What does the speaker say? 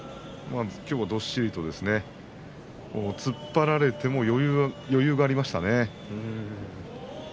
きょうは、どっしりと突っ張られても余裕がありましたね。